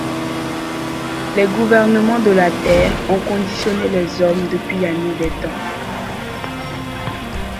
Les gouvernements de la Terre ont conditionné les hommes depuis la nuit des temps.